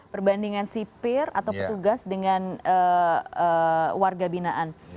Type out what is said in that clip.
perbandingan sipir atau petugas dengan warga binaan